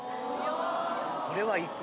これはいく。